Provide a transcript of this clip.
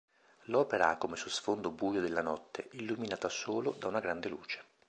L'opera ha come suo sfondo buio della notte illuminata solo da una grande luce.